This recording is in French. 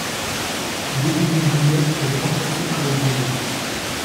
Début de juillet elle est renforcée par le blindé.